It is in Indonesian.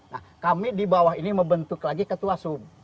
nah kami di bawah ini membentuk lagi ketua sum